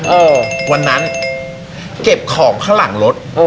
เออวันนั้นเก็บของข้างหลังรถ